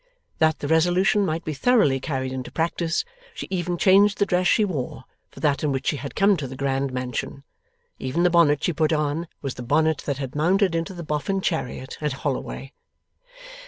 That the resolution might be thoroughly carried into practice, she even changed the dress she wore, for that in which she had come to the grand mansion. Even the bonnet she put on, was the bonnet that had mounted into the Boffin chariot at Holloway.